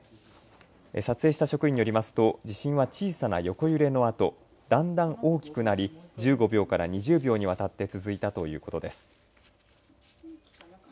撮影した職員によりますと地震は小さな横揺れのあとだんだん大きくなり１５秒から２０秒にわたって続いたということです。